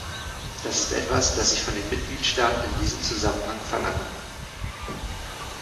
Das ist etwas, das ich von den Mitgliedstaaten in diesem Zusammenhang verlange.